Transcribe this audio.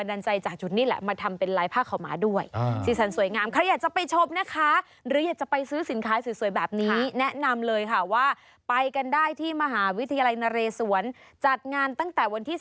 ที่ชั้น๒พิพิธภัณฑ์ผ้าอาคารอเนกประสงค์นะคะ